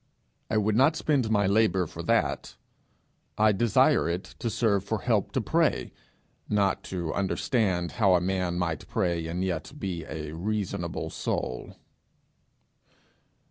I would not spend my labour for that; I desire it to serve for help to pray, not to understand how a man might pray and yet be a reasonable soul.